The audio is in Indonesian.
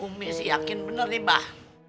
umi sih yakin bener nih bah